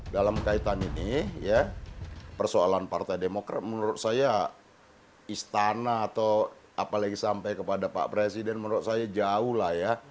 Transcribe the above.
dalam kaitan ini ya persoalan partai demokrat menurut saya istana atau apalagi sampai kepada pak presiden menurut saya jauh lah ya